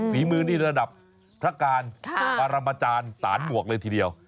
ฝีมือนี่ระดับพระการบารมาจารย์สารหมวกเลยทีเดียว